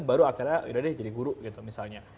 baru akhirnya yaudah deh jadi guru gitu misalnya